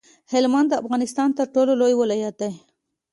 هلمند د افغانستان تر ټولو لوی ولایت دی